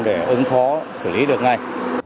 để ứng khó xử lý được ngay